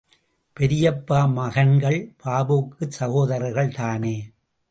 பெரியப்பா மகன்கள் பாபுவுக்குச் சகோதரர்கள் தானே!